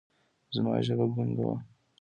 زما ژبه ګونګه وه ـ